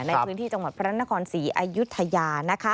ในพื้นที่จังหวัดพระนครศรีอายุทยา